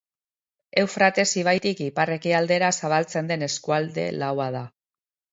Eufrates ibaitik ipar-ekialdera zabaltzen den eskualde laua da.